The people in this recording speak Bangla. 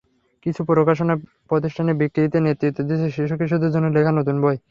কিছু প্রকাশনা প্রতিষ্ঠানে বিক্রিতে নেতৃত্ব দিচ্ছে শিশু-কিশোরদের জন্য লেখা নতুন বই।